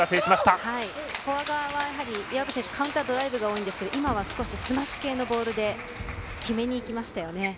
フォア側は岩渕選手カウンター、ドライブが多いんですが今は少しスマッシュ系のボールで決めにいきましたよね。